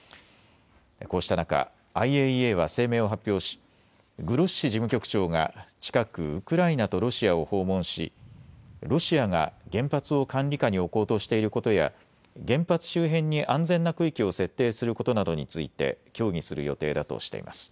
こうした中、ＩＡＥＡは声明を発表しグロッシ事務局長が近くウクライナとロシアを訪問しロシアが原発を管理下に置こうとしていることや原発周辺に安全な区域を設定することなどについて協議する予定だとしています。